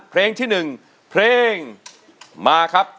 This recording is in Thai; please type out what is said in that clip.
เพลงที่๑เพลงมาครับ